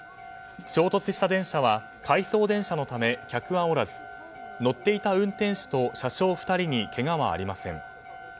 衝突した電車は回送電車のため客はおらず乗っていた運転士と車掌２人にけがはありません。